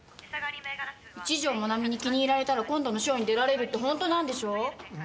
一条モナミに気に入られたら今度のショーに出られるってホントなんでしょう？